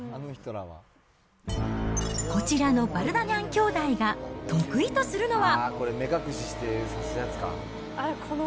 こちらのヴァルダニャン兄弟が得意とするのは。